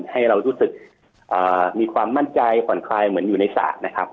ให้เรารู้สึกมีความมั่นใจผ่อนคลายเหมือนอยู่ในศาลนะครับ